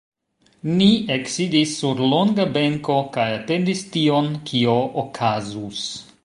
Ni eksidis sur longa benko kaj atendis tion, kio okazus.